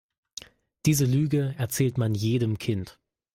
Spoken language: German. Diese Lüge erzählt man jedem Kind.